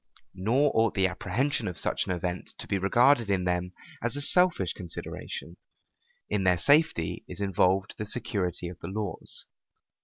Nor ought the apprehension of such an event to be regarded in them as a selfish consideration: in their safety is involved the security of the laws.